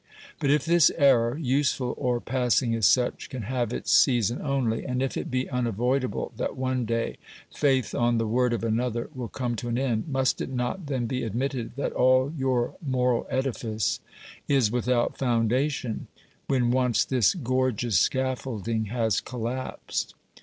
But if this error, useful or passing as such, can have its season only, and if it be unavoidable that one day faith on the word of another will come to an end, must it not then be admitted that all your moral edifice is without foundation, when once this gorgeous scaffolding has collapsed